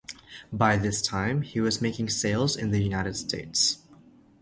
By this time, he was making sales in the United States.